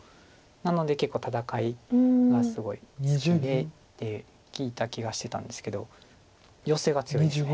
なので結構戦いがすごい好きでって聞いた気がしてたんですけどヨセが強いです。